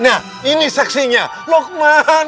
nah ini seksinya lukman